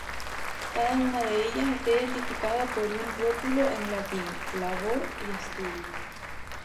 Cada una de ellas está identificada por un rótulo en latín, "Labor" y "Studio".